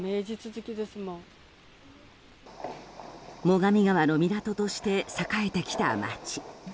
最上川の港として栄えてきた町。